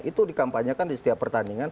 itu dikampanyekan di setiap pertandingan